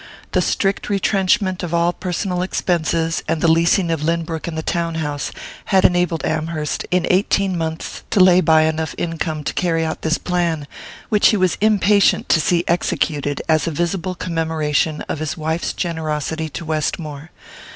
The strict retrenchment of all personal expenses, and the leasing of Lynbrook and the town house, had enabled Amherst, in eighteen months, to lay by enough income to carry out this plan, which he was impatient to see executed as a visible commemoration of his wife's generosity to Westmore.